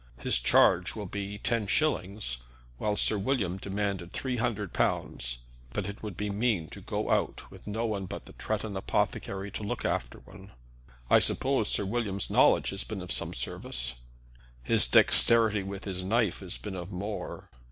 His charge will be ten shillings, while Sir William demanded three hundred pounds. But it would be mean to go out with no one but the Tretton apothecary to look after one." "I suppose Sir William's knowledge has been of some service." "His dexterity with his knife has been of more.